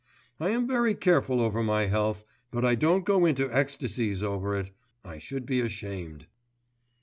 I am very careful over my health, but I don't go into ecstasies over it: I should be ashamed.